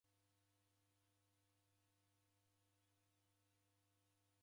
Mshaidi ughoraa loli.